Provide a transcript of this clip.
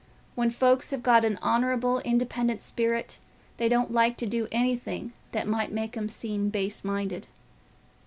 When folks have got an honourable independent spirit, they don't like to do anything that might make 'em seem base minded."